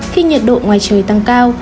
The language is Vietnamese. khi nhiệt độ ngoài trời tăng cao